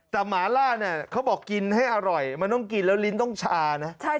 แต่หมาล่าเนี่ยเขาบอกกินให้อร่อยมันต้องกินแล้วลิ้นต้องชานะ